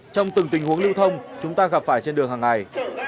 trong từng tình huống lưu thông chúng ta gặp phải trên đường hàng ngày